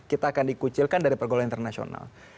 kita akan dikucilkan dari pergolaan internasional